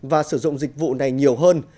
và sử dụng dịch vụ này nhiều hơn